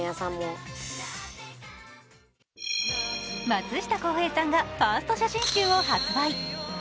松下洸平さんがファースト写真集を発売。